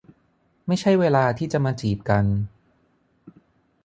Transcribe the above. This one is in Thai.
ไม่ใช่เวลาที่จะมาจีบกัน